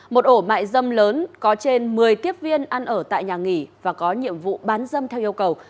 một ổ mại dâm lớn có trên một mươi tiếp viên ăn ở tại nhà nghỉ và có nhiệm vụ bán dâm theo yêu cầu